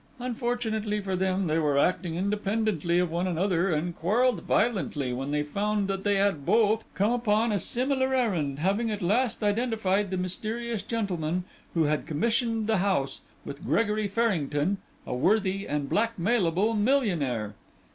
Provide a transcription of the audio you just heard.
Unfortunately for them, they were acting independently of one another and quarrelled violently when they found that they had both come upon a similar errand, having at last identified the mysterious gentleman, who had commissioned the house, with Gregory Farrington, a worthy and blackmailable millionaire."